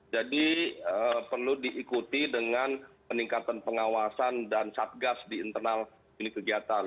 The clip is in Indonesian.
jadi perlu diikuti dengan peningkatan pengawasan dan santan